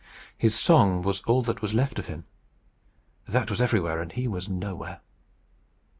His song was all that was left of him. That was everywhere, and he was nowhere.